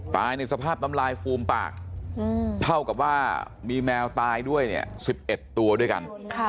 ในสภาพน้ำลายฟูมปากเท่ากับว่ามีแมวตายด้วยเนี่ย๑๑ตัวด้วยกัน